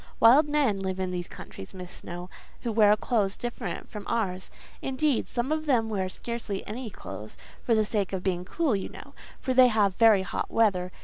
Wild men live in these countries, Miss Snowe, who wear clothes different from ours: indeed, some of them wear scarcely any clothes, for the sake of being cool, you know; for they have very hot weather.